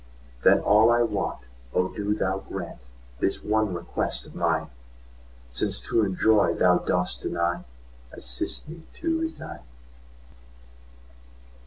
Then all I want—O do Thou grantThis one request of mine!—Since to enjoy Thou dost deny, Assist me to resign.